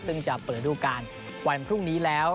ซึ่งจะเปิดดูการวันพรุ่งนี้แล้ว